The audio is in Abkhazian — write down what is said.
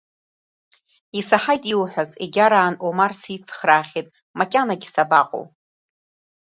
Исаҳаит иуҳәаз, егьарааны Омар сицхраахьеит, макьанагьы сабаҟоу.